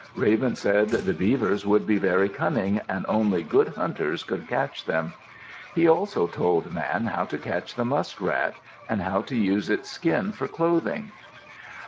Raven said the beavers would be very cunning and only good hunters could catch them. He also told Man how to catch the muskrat and how to use its skin for clothing.